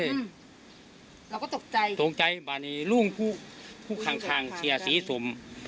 อืมแล้วก็ตกใจตกใจบ่านี้ลุกคูกคูกขังเสียสีสม